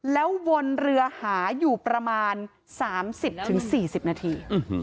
แล้ววนเรือหาอยู่ประมาณ๓๐๔๐นาที